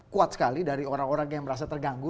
kuat sekali dari orang orang yang merasa terganggu